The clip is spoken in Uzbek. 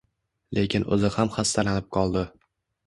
lekin o'zi ham xastalanib qoldi.